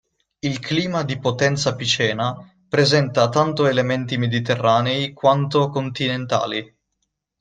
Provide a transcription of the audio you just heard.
Il clima di Potenza Picena presenta tanto elementi mediterranei quanto continentali.